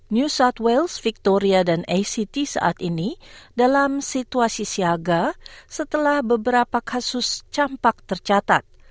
new south wales victoria dan act saat ini dalam situasi siaga setelah beberapa kasus campak tercatat